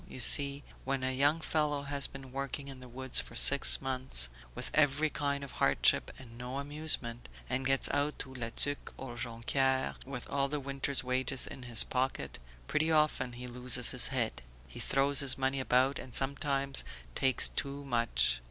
You see when a young fellow has been working in the woods for six months, with every kind of hardship and no amusement, and gets out to La Tuque or Jonquieres with all the winter's wages in his pocket, pretty often he loses his head; he throws his money about and sometimes takes too much